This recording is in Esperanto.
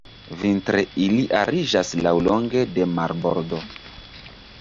Vintre ili ariĝas laŭlonge de marbordo.